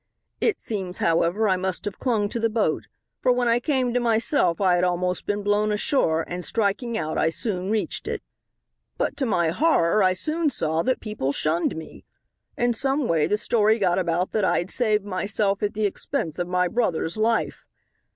It seems, however, I must have clung to the boat, for when I came to myself I had almost been blown ashore, and, striking out, I soon reached it. "But to my horror I soon saw that people shunned me. In some way the story got about that I had saved myself at the expense of my brother's life.